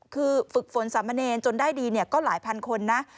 คือฝึกฝนสามเณรจนได้ดีก็หลายพันคนนะ